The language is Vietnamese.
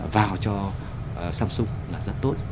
vào cho samsung là rất tốt